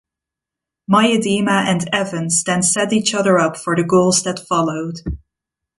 Miedema and Evans then set each other up for the goals that followed.